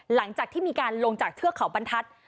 หลังจากที่มีการลงจากเทือกเขาบรรทัศน์